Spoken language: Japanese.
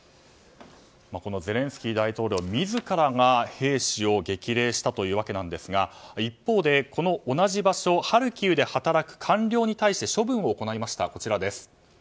ゼレンスキー大統領自らが兵士を激励したわけですが一方で、同じ場所ハルキウで働く官僚に対して処分を行いました。